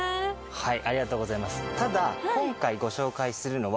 はい。